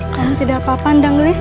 kami tidak apa apa ndang lies